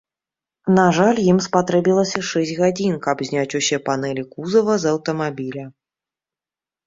На жаль, ім спатрэбілася шэсць гадзін, каб зняць усе панэлі кузава з аўтамабіля.